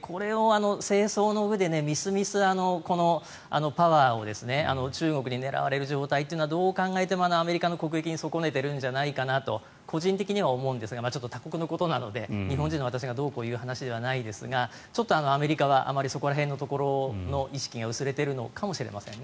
これを政争の具で、みすみす中国に狙われる状態というのはどう考えてもアメリカの国益を損ねているんじゃないかなと個人的には思うんですが他国のことなので日本人の私がどうこう言うことではないですがちょっとアメリカはあまり、そういうところの意識が薄れてるのかもしれませんね。